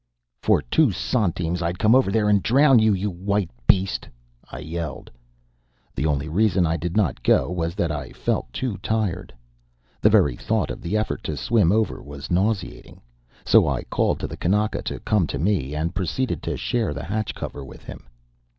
"For two centimes I'd come over there and drown you, you white beast!" I yelled. The only reason I did not go was that I felt too tired. The very thought of the effort to swim over was nauseating. So I called to the kanaka to come to me, and proceeded to share the hatch cover with him.